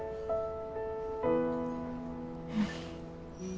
うん。